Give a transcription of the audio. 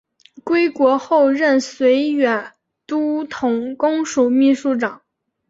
归国后任绥远都统公署秘书长。